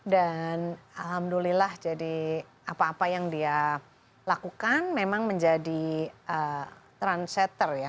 dan alhamdulillah jadi apa apa yang dia lakukan memang menjadi transeter ya